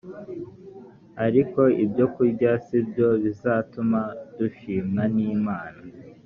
ariko ibyokurya si byo bizatuma dushimwa n imana